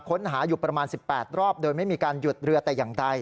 ค้นหาอยู่ประมาณ๑๘รอบโดยไม่มีการหยุดเรือแต่อย่างใด